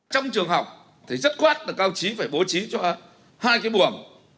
trong trường học thì dứt khoát là cao trí phải bố trí cho hai cái buồng